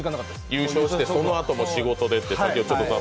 優勝して、そのあとも仕事でと。